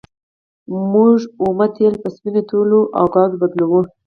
موږ اومه تیل په سپینو تیلو او ګازو بدلوو.